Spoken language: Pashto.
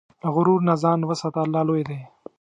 له غرور نه ځان وساته، الله لوی دی.